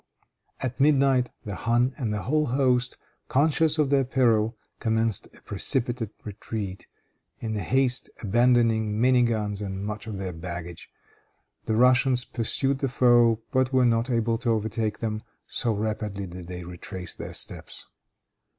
At midnight the khan, and the whole host, conscious of their peril, commenced a precipitate retreat, in their haste abandoning many guns and much of their baggage. The Russians pursued the foe, but were not able to overtake them, so rapidly did they retrace their steps.